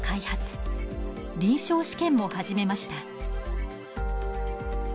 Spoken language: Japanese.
臨床試験も始めました。